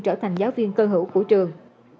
trở thành giáo viên cơ hữu của trường